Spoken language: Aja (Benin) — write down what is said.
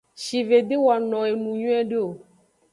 Shive de wano enu nyuide o.